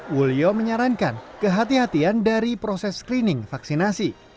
wulyo menyarankan kehatian kehatian dari proses screening vaksinasi